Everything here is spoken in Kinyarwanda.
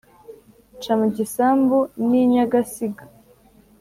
nca mu gisambu n'i nyagasig